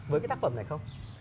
với cái tác phẩm này không